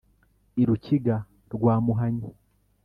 i rukiga rwa muhanyi,